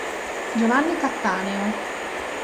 Giovanni Cattaneo